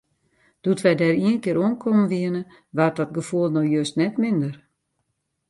Doe't wy dêr ienkear oankommen wiene, waard dat gefoel no just net minder.